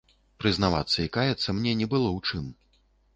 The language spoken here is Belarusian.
Прызнавацца і каяцца мне не было ў чым.